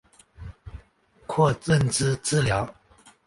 括认知治疗。